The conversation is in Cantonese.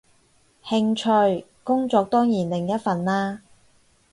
興趣，工作當然另一份啦